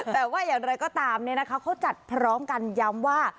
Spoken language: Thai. แต่ว่าอย่างไรก็ตามเขาจัดพร้อมกันย้ำว่า